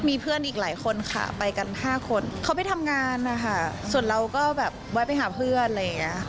มีเพื่อนอีกหลายคนค่ะไปกันห้าคนเขาไปทำงานนะคะส่วนเราก็แบบแวะไปหาเพื่อนอะไรอย่างเงี้ย